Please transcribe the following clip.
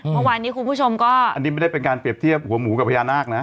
เมื่อวานนี้คุณผู้ชมก็อันนี้ไม่ได้เป็นการเปรียบเทียบหัวหมูกับพญานาคนะ